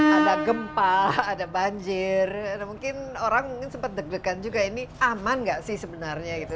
ada gempa ada banjir mungkin orang mungkin sempat deg degan juga ini aman nggak sih sebenarnya gitu